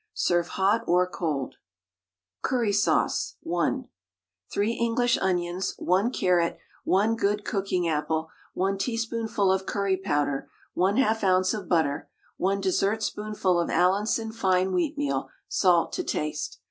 Serve hot or cold. CURRY SAUCE (1). 3 English onions, 1 carrot, 1 good cooking apple, 1 teaspoonful of curry powder, 1/2 oz. of butter, 1 dessertspoonful of Allinson fine wheatmeal, salt to taste.